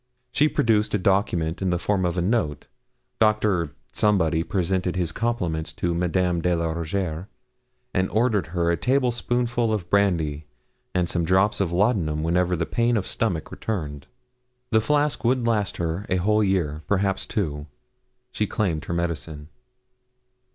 She produced a document in the form of a note. Doctor Somebody presented his compliments to Madame de la Rougierre, and ordered her a table spoonful of brandy and some drops of laudanum whenever the pain of stomach returned. The flask would last a whole year, perhaps two. She claimed her medicine.